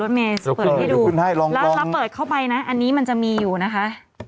เดี๋ยวเดี๋ยวเราเลิกให้ดูแล้วเราก็เปิดเข้าไปนะอันนี้มันจะมีอยู่นะฮะ